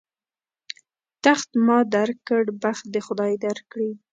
تخت ما در کړ، بخت دې خدای در کړي.